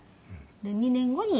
で２年後に。